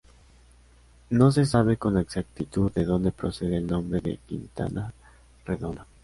No se sabe con exactitud de donde procede el nombre de Quintana Redonda.